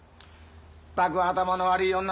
ったく頭の悪い女だな。